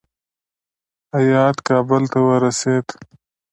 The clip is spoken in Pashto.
هیات کابل ته ورسېد.